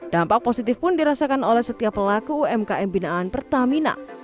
dampak positif pun dirasakan oleh setiap pelaku umkm binaan pertamina